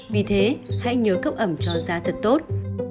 vì thế hãy nhớ cấp ẩm cho da thật tốt